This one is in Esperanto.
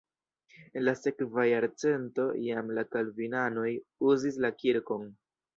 En la sekva jarcento jam la kalvinanoj uzis la kirkon.